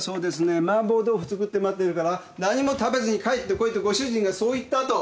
「麻婆豆腐作って待ってるから何も食べずに帰って来いとご主人がそう言った」と。